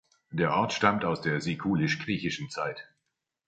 Der Ort stammt aus der sikulisch-griechischen Zeit.